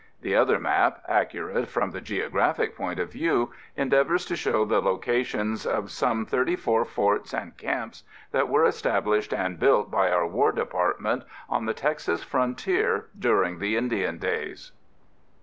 The other map, accurate from the geographic point of view, endeavors to show the locations of some thirty four forts and camps that were established and built by our War Department on the Texas Frontier during the Indian days.